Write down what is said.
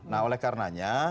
nah oleh karenanya